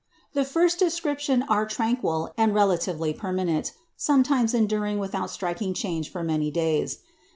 The first description are tranquil and relatively permanent, sometimes enduring without striking change for many days.